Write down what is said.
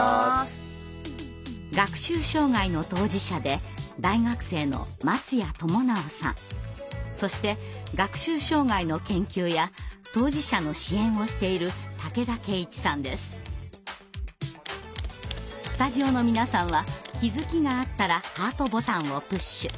学習障害の当事者でそして学習障害の研究や当事者の支援をしているスタジオの皆さんは気づきがあったらハートボタンをプッシュ。